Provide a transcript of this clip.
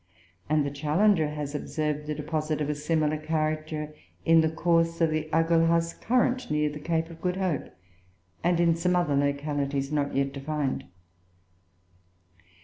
And the Challenger has observed a deposit of a similar character in the course of the Agulhas current, near the Cape of Good Hope, and in some other localities not yet defined.